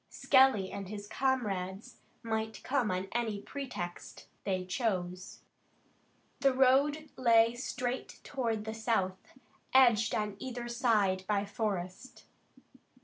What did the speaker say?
Skelly and his comrades might come on any pretext they chose. The road lay straight toward the south, edged on either side by forest.